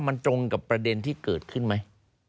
มันตรงกับประเด็นที่เกิดขึ้นไหม